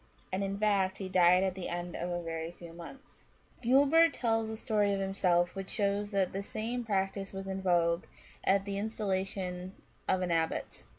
And in fact he died at the end of a very few months." 259 Curiosities of Olden Times Guibert tells a story of himself, which shows that the same practice was in vogue at the installation of an abbot.